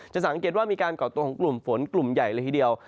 สังเกตว่ามีการก่อตัวของกลุ่มฝนกลุ่มใหญ่เลยทีเดียว